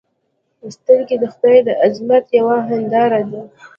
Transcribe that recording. سترګې د خدای د عظمت یوه هنداره ده